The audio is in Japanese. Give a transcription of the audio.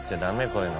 こういうの。